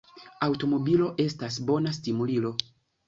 Aŭtomobilo estas bona stimulilo.